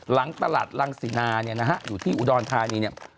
หลังตลาดรังสินาเนี่ยนะฮะอยู่ที่อุดรธานีเนี่ย